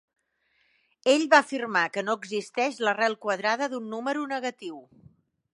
Ell va afirmar que no existeix l'arrel quadrada d'un número negatiu.